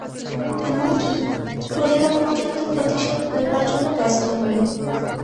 এমন কি, প্রজারা পর্যন্ত প্রতিশোধ লইবার জন্য ব্যস্ত হইল।